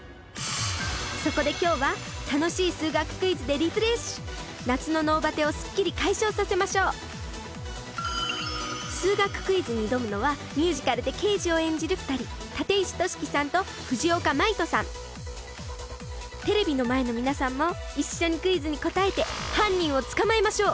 そこで今日は楽しい数学クイズでリフレッシュ夏の脳バテをスッキリ解消させましょう数学クイズに挑むのはミュージカルで刑事を演じる２人立石俊樹さんと藤岡真威人さんテレビの前の皆さんも一緒にクイズに答えて犯人を捕まえましょう